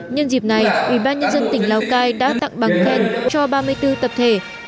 nhân dịp này ủy ban nhân dân tỉnh lào cai đã tặng bằng khen cho ba mươi bốn tập thể